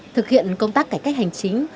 thực hiện công tác cải cách hành chính